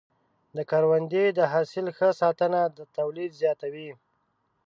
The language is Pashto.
د کروندې د حاصل ښه ساتنه د تولید زیاتوي.